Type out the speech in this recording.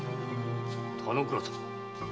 田之倉様。